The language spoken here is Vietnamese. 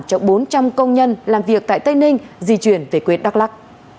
cho bốn trăm linh công nhân làm việc tại tây ninh di chuyển về quê đắk lắc